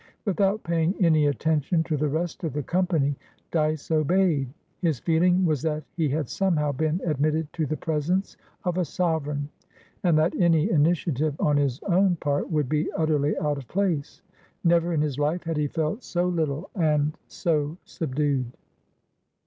Without paying any attention to the rest of the company, Dyce obeyed. His feeling was that he had somehow been admitted to the presence of a sovereign, and that any initiative on his own part would be utterly out of place. Never in his life had he felt so little and so subdued.